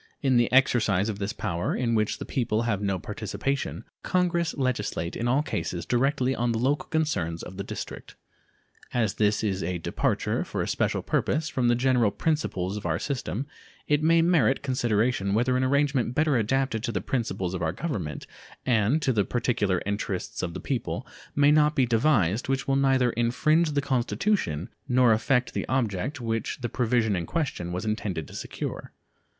In the exercise of this power, in which the people have no participation, Congress legislate in all cases directly on the local concerns of the District. As this is a departure, for a special purpose, from the general principles of our system, it may merit consideration whether an arrangement better adapted to the principles of our Government and to the particular interests of the people may not be devised which will neither infringe the Constitution nor affect the object which the provision in question was intended to secure.